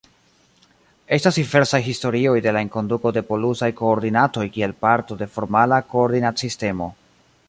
Estas diversaj historioj de la enkonduko de polusaj koordinatoj kiel parto de formala koordinatsistemo.